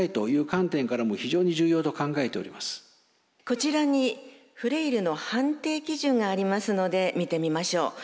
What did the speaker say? こちらにフレイルの判定基準がありますので見てみましょう。